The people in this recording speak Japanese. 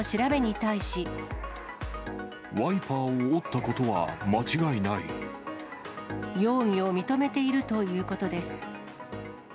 ワイパーを折ったことは間違容疑を認めているということです。